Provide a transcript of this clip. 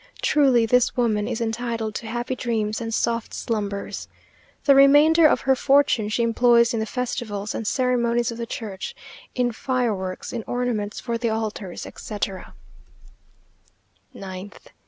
Truly, this woman is entitled to happy dreams and soft slumbers! The remainder of her fortune she employs in the festivals and ceremonies of the church; in fireworks, in ornaments for the altars, etc. 9th.